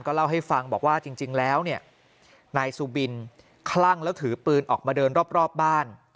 เล่าให้ฟังบอกว่าจริงแล้วเนี่ยนายซูบินคลั่งแล้วถือปืนออกมาเดินรอบบ้าน